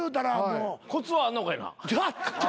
コツはあんのかいな。